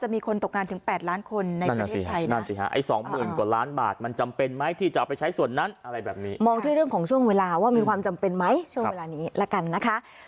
มันจำเป็นไหมที่จะเอาไปใช้ส่วนนั้นอะไรแบบนี้มองที่เรื่องของช่วงเวลาว่ามีความจำเป็นไหมช่วงเวลานี้แล้วกันนะคะ